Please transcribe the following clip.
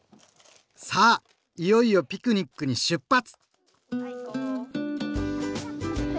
さあいよいよピクニックに出発！